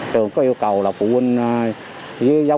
trường có yêu cầu là phụ huynh với giáo viên